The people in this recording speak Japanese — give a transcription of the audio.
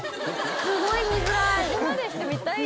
すごい見づらい。